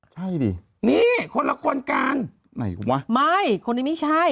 ใช่ดินี่คนละคนกันไหนคุณวะไม่คนนี้ไม่ใช่